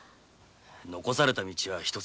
残された道は一つ。